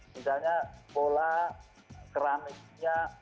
misalnya pola keramiknya